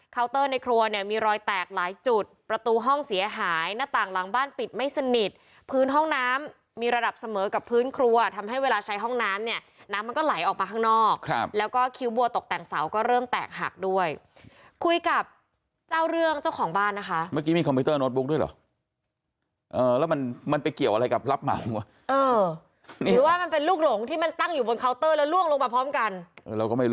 แล้วเธอก็ถ่ายคลิปเอาไปบางช่วงบางตอนเธอบอกว่ามูลค่าทรัพย์สินที่เสียหายรวมแล้วเนี่ยนับแสนนะคะ